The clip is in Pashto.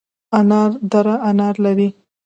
انار دره انار لري؟